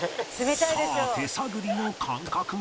さあ手探りの感覚は？